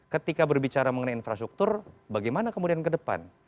ketika berbicara mengenai infrastruktur bagaimana kemudian ke depan